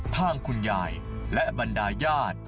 ทางคุณยายและบรรดาญาติ